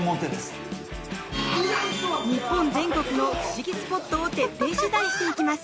日本全国の不思議スポットを徹底取材していきます。